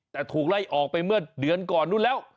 แต่ถูกไล่ออกไปเมื่อเดือนก่อนนู้นแล้ว